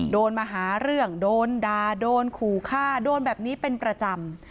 โดนมาหาเรื่องโดนด่าโดนขู่ฆ่าโดนแบบนี้เป็นประจำ